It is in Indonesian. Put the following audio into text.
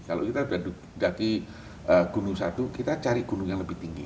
kalau kita sudah mendaki gunung satu kita cari gunung yang lebih tinggi